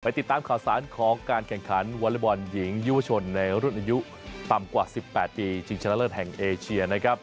ติดตามข่าวสารของการแข่งขันวอเล็กบอลหญิงยุวชนในรุ่นอายุต่ำกว่า๑๘ปีชิงชนะเลิศแห่งเอเชียนะครับ